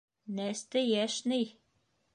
Нәстәйәшней!